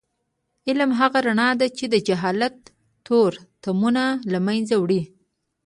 علم هغه رڼا ده چې د جهالت تورتمونه له منځه وړي.